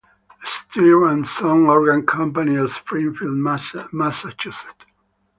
Steere and Son Organ Company of Springfield, Massachusetts.